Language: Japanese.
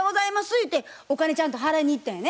ゆうてお金ちゃんと払いに行ったんやね？